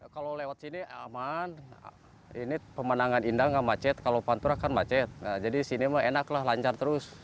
kalau lewat sini aman ini pemandangan indah nggak macet kalau pantura kan macet jadi sini mah enak lah lancar terus